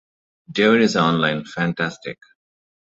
Devon is online, fantastic.